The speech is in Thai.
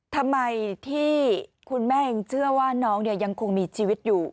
ทำไมที่คุณแม่ยังเชื่อว่าน้องเนี่ยยังคงมีชีวิตอยู่